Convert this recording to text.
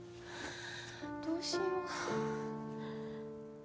どうしよう。